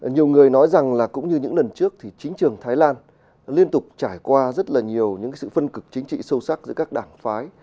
nhiều người nói rằng là cũng như những lần trước thì chính trường thái lan liên tục trải qua rất là nhiều những sự phân cực chính trị sâu sắc giữa các đảng phái